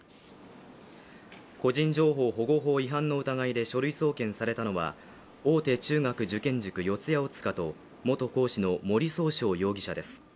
個人情報保護法違反の疑いで書類送検されたのは大手中学受験塾、四谷大塚と元講師の森崇翔容疑者です。